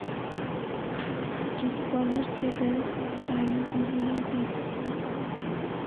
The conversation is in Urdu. جنوبی افریقی بالرز کے ڈر سے ریٹائرمنٹ نہیں لی حفیظ کی وضاحت